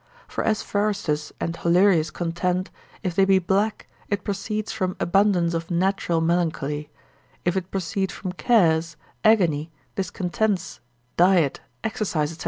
For as Forrestus and Hollerius contend, if they be black, it proceeds from abundance of natural melancholy; if it proceed from cares, agony, discontents, diet, exercise, &c.